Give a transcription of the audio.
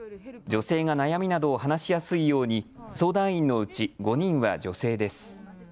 女性が悩みなどを話しやすいように相談員のうち５人は女性です。